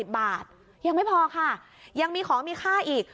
๑๐บาทยังไม่พอค่ะยังมีของมีค่าอีก